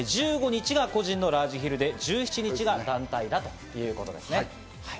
１５日が個人のラージヒルで、１７日が団体だということですね。